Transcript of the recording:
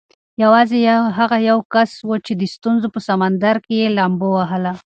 یوازې هغه یو کس و چې د ستونزو په سمندر کې یې لامبو ووهله.